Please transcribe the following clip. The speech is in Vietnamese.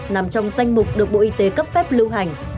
nằm trong danh mục được bộ y tế cấp phép lưu hành